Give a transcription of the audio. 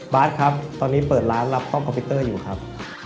บาทครับตอนนี้เปิดร้านรับซ่อมคอมพิวเตอร์อยู่ครับ